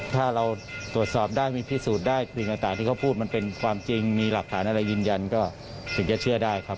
ถ้าเราตรวจสอบได้มีพิสูจน์ได้สิ่งต่างที่เขาพูดมันเป็นความจริงมีหลักฐานอะไรยืนยันก็ถึงจะเชื่อได้ครับ